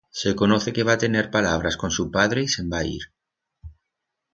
Se conoce que va tener palabras con su padre y se'n va ir.